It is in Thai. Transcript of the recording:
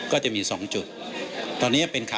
ก็คือจุดที่เป็น